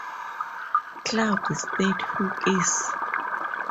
Cloud State Huskies.